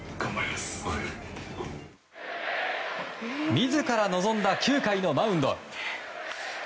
自ら望んだ９回のマウンド。